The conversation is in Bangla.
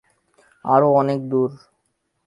আরও অনেক দূর।